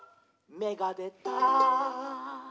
「めがでた！」